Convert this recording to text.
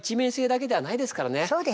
そうです。